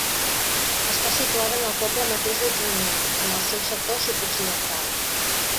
Està situada en el poble mateix de Junyent, en el seu sector sud-occidental.